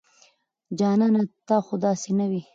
جانانه ته خو داسې نه وې